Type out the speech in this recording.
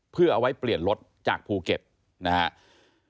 เพื่อเอาไว้เปลี่ยนรถจากภูเก็ตนะครับ